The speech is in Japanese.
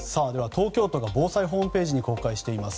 東京都が防災ホームページに公開しています